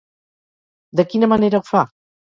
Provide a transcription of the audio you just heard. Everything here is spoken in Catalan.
De quina manera ho fa?